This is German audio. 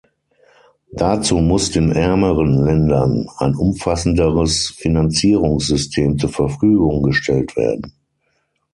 Dazu muss den ärmeren Ländern ein umfassenderes Finanzierungssystem zur Verfügung gestellt werden.